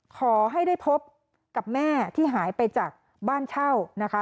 ขอให้ได้พบกับแม่ที่หายไปจากบ้านเช่านะคะ